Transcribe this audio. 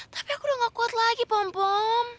tapi aku udah gak kuat lagi pom bom